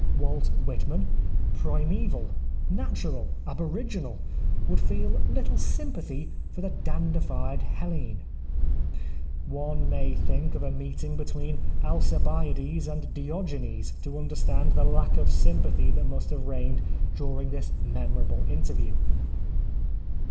Walt Whitman, primaeval, natural, aboriginal, would feel little sympathy for the dandified Hellene. One may think of a meeting between Alcibiades and Diogenes to understand the lack of sympathy that must have reigned during this memorable interview.